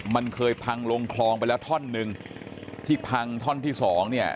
มันเคยพังลงคลองไปแล้วท่อนหนึ่งที่พังท่อนที่สองเนี่ย